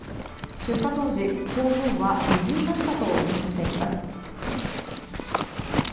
出火当時、工場は無人だったとみられています。